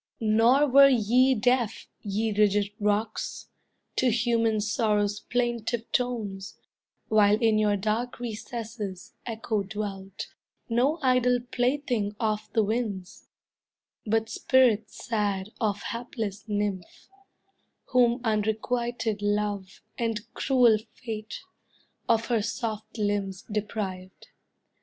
Nor were ye deaf, ye rigid rocks, To human sorrow's plaintive tones, While in your dark recesses Echo dwelt, No idle plaything of the winds, But spirit sad of hapless nymph, Whom unrequited love, and cruel fate, Of her soft limbs deprived.